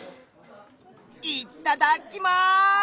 いっただっきます！